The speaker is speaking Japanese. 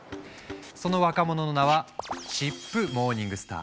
その若者の名はチップ・モーニングスター。